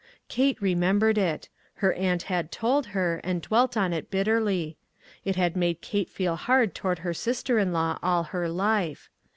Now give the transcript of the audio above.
Kate remembered it; her aunt had told her, and dwelt on it bitterly. It had made Kate feel hard toward her sister in law all her life.